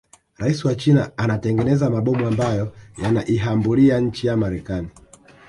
Raisi wa china anatengeneza mabomu ambayo yanaiahambulia nchi ya marekani